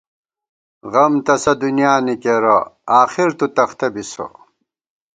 غم تسہ دُنیا نی کېرہ آخر تُو تختہ بِسہ